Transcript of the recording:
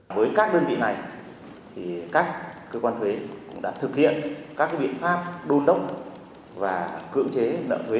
với các đơn vị này các cơ quan thuế cũng đã thực hiện các biện pháp đôn đốc và cưỡng chế nợ thuế